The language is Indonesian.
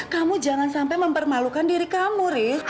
kamu jangan sampai mempermalukan diri kamu nih